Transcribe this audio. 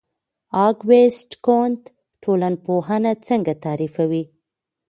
اګوست کُنت ټولنپوهنه څنګه تعریفوي؟